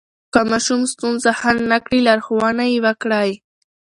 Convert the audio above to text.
که ماشوم ستونزه حل نه کړي، لارښوونه یې وکړئ.